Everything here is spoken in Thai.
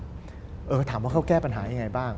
ถามว่าเขาแก้ปัญหายังไงบ้าง